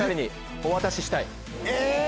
え！